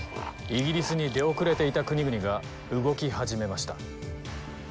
イギリスに出遅れていた国々が動き始めました。